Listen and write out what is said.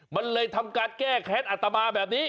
มันเลยทำการแก้แค้นอัตมาแบบนี้